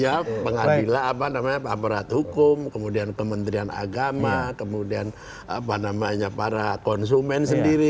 ya pengadilan apa namanya aparat hukum kemudian kementerian agama kemudian apa namanya para konsumen sendiri